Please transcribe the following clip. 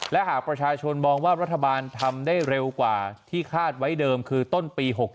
และหากประชาชนมองว่ารัฐบาลทำได้เร็วกว่าที่คาดไว้เดิมคือต้นปี๖๗